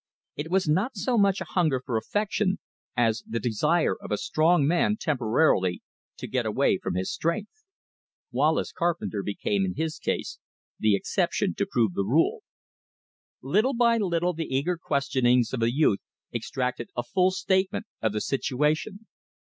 It was not so much a hunger for affection, as the desire of a strong man temporarily to get away from his strength. Wallace Carpenter became in his case the exception to prove the rule. Little by little the eager questionings of the youth extracted a full statement of the situation.